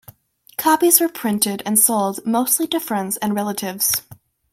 Copies were printed and sold mostly to friends and relatives.